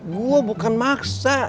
gue bukan maksa